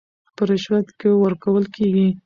په رشوت کې ورکول کېږي